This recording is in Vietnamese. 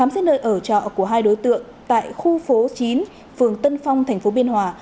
xét nơi ở trọ của hai đối tượng tại khu phố chín phường tân phong thành phố biên hòa